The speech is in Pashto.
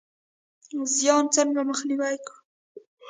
زیان څنګه مخنیوی کړو؟